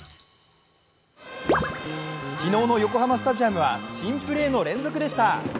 昨日の横浜スタジアムは珍プレーの連続でした。